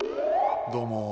どうも。